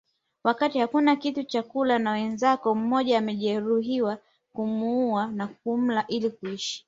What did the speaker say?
Wakati hakuna kitu cha kula na mwenzako mmoja amejeruhiwa kumuua na kumla ili kuishi